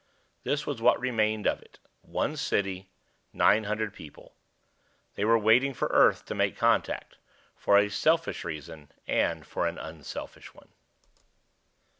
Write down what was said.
This was what remained of it: one city, nine hundred people. They were waiting for Earth to make contact, for a selfish reason and for an unselfish one.